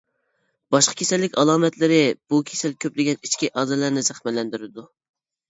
باشقا كېسەللىك ئالامەتلىرى: بۇ كېسەل كۆپلىگەن ئىچكى ئەزالارنى زەخىملەندۈرىدۇ.